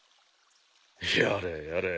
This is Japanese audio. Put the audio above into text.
やれやれ。